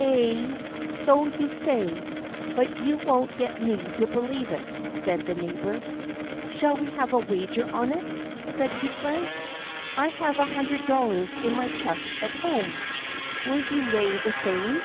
"Aye, so you say; but you won't get me to believe it," said the neighbor. "Shall we have a wager on it?" said Gudbrand. "I have a hundred dollars in my chest at home. Will you lay the same?"